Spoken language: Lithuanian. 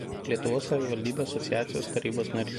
Lietuvos savivaldybių asociacijos tarybos narys.